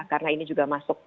karena ini juga masuk